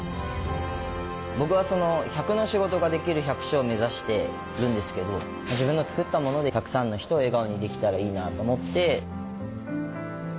僕は百の仕事ができる百姓を目指してるんですけど自分の作ったものでたくさんの人を笑顔にできたらいいなと思って。